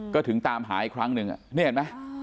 ก็ถึงตามหาอีกครั้งหนึ่งนี่เห็นไหม